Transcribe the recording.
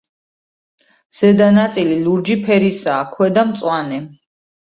ზედა ნაწილი ლურჯი ფერისაა, ქვედა მწვანე.